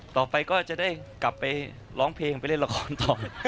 ต่อไปก็จะได้กลับไปร้องเพลงไปเล่นละครต่อ